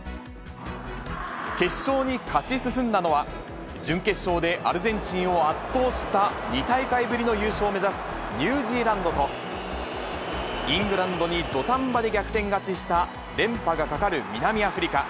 決勝に勝ち進んだのは、準決勝でアルゼンチンを圧倒した、２大会ぶりの優勝を目指すニュージーランドと、イングランドに土壇場で逆転勝ちした連覇がかかる南アフリカ。